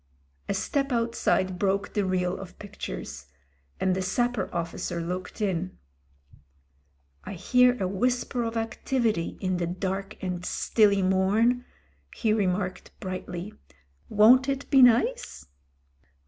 ... A step outside broke the reel of pictures, and the Sapper Officer looked in. "I hear a whisper of activity in the dark and stilly mom," he remarked brightly. ''Won'titbenice?"